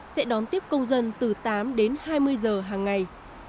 sẽ đón tiếp công dân từ tám đến hai mươi giờ hàng ngày